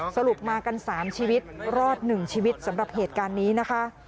สรุปมากัน๓ชีวิตรอด๑ชีวิตสำหรับเหตุการณ์นี้นะคะ